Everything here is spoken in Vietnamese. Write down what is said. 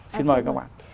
xin mời các bạn